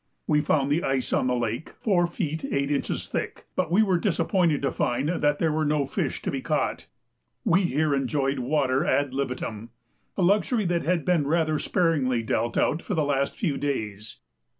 We found the ice on the lake 4 feet 8 inches thick, but we were disappointed to find that there were no fish to be caught. We here enjoyed water ad libitum, a luxury that had been rather sparingly dealt out for the last few days.